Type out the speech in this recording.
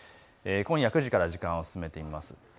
今夜９時から時間を進めてみます。